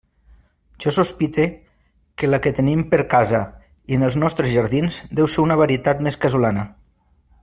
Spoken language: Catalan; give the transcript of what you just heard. Jo sospite que la que tenim per casa, i en els nostres jardins, deu ser una varietat més casolana.